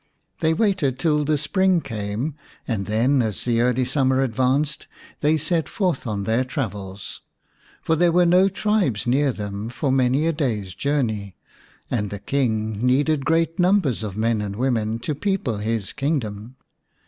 They waited till the spring came, and then as the early summer advanced they set forth on their travels. For there were no tribes near them for many a day's journey, and the King needed great numbers of men and women to people his kingdom.